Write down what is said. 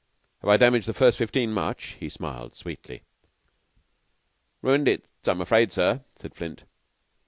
Have I damaged the First Fifteen much?" He smiled sweetly. "Ruined it, I'm afraid, sir," said Flint.